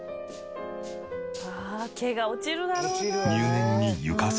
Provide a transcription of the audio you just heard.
ああ毛が落ちるだろうなあ。